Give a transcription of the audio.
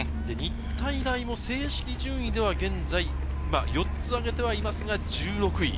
日体大も正式順位では現在４つあげてはいますが１６位。